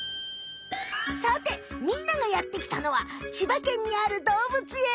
さてみんながやってきたのは千葉県にあるどうぶつえん。